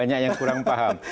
banyak yang kurang paham